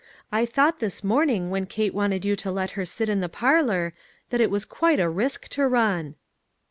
I thought this morning, when Kate wanted you to let her sit in the parlor, that it was quite a risk to run."